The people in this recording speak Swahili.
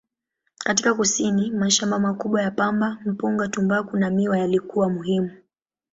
Katika kusini, mashamba makubwa ya pamba, mpunga, tumbaku na miwa yalikuwa muhimu.